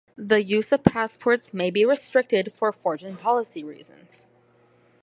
The use of passports may be restricted for foreign policy reasons.